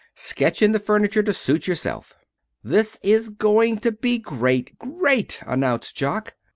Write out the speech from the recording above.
"Sketch in the furniture to suit yourself." "This is going to be great great!" announced Jock.